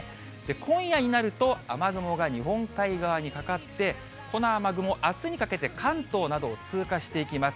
今夜になると、雨雲が日本海側にかかって、この雨雲、あすにかけて関東などを通過していきます。